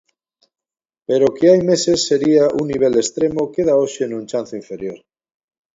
Pero o que hai meses sería un nivel extremo queda hoxe nun chanzo inferior.